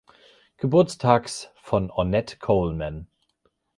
Geburtstags von Ornette Coleman.